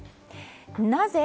なぜ？